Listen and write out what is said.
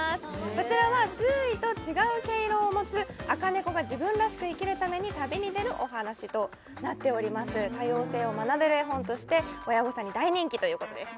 こちらは周囲と違う毛色を持つあかねこが自分らしく生きるために旅に出るお話となっております多様性を学べる絵本として親御さんに大人気ということです